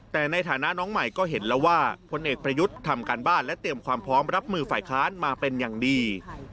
แต่ในฐานะน้องใหม่ก็เห็นแล้วว่าพลเอกประยุทธ์ทำการบ้านและเตรียมความพร้อมรับมือฝ่ายค้านมาเป็นอย่างดี